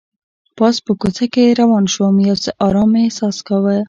پاس په کوڅه کې روان شوم، یو څه ارام مې احساس کاوه.